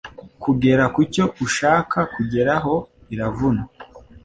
kugera ku cyo ushaka kugeraho biravuna